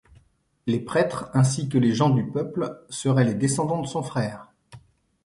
Les prêtres ainsi que les gens du peuple seraient les descendants de son frère.